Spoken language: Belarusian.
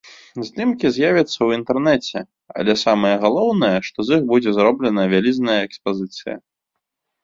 Здымкі з'явяцца ў інтэрнэце, але самае галоўнае, што з іх будзе зробленая вялізная экспазіцыя.